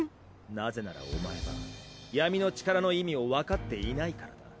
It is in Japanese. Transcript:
なぜならお前は闇の力の意味をわかっていないからだ。